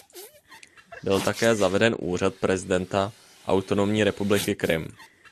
Byl také zaveden úřad prezidenta Autonomní Republiky Krym.